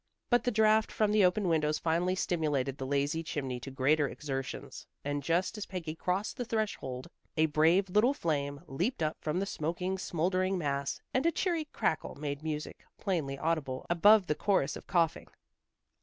But the draught from the open windows finally stimulated the lazy chimney to greater exertions, and just as Peggy crossed the threshold, a brave little flame leaped up from the smoking, smouldering mass, and a cheery crackle made music plainly audible above the chorus of coughing.